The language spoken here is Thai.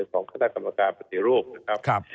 ของคณะกรรมการปฏิรูปนะครับ